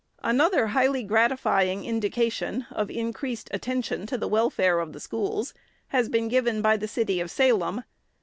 Another highly gratifying indication of increased at tention to the welfare of the schools has been given by the city of Salem.